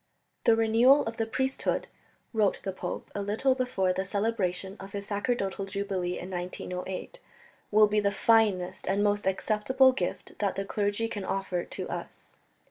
"The renewal of the priesthood," wrote the pope a little before the celebration of his sacerdotal jubilee in 1908, "will be the finest and most acceptable gift that the clergy can offer to us."